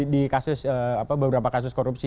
di kasus beberapa kasus korupsi